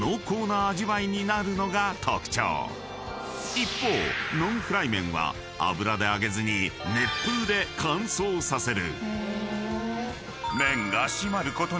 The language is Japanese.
［一方ノンフライ麺は油で揚げずに熱風で乾燥させる］